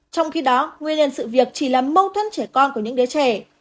trong khi đó nguyên nhân sự việc chỉ là mâu thuẫn trẻ con của những đứa trẻ